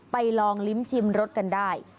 ลองลิ้มชิมรสกันได้